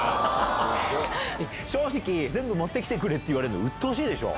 正直、全部持ってきてっていわれるの、うっとうしいでしょ。